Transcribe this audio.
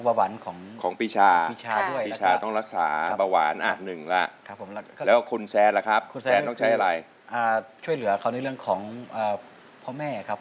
แผนต้องใช้อะไรครับคุณแสนช่วยเหลือเขาในเรื่องของพ่อแม่ครับ